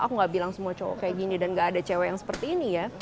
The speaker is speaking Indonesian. aku gak bilang semua cowok kayak gini dan gak ada cewek yang seperti ini ya